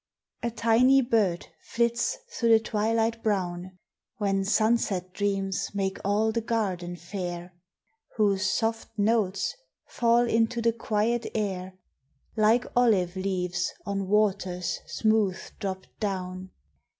A TINY bird flits through the twilight brown, When sunset dreams make all the garden fair, Whose soft notes fall into the quiet air Like olive leaves on waters smooth dropped down.